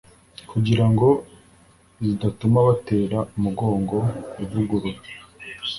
kugira ngo zidatuma batera umugongo ivugurura